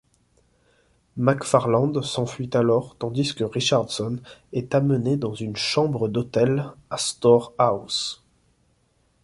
McFarland s'enfuit alors tandis de Richardson est amené dans une chambre d'hôtel Astore House.